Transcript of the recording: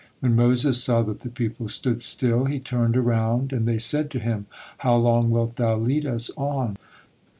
When Moses saw that the people stood still, he turned around and they said to him: "How long wilt thou lead us on?"